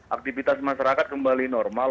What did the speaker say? aktivitas masyarakat kembali normal